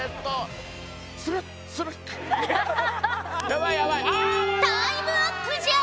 タイムアップじゃ！